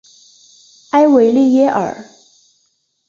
埃维利耶尔。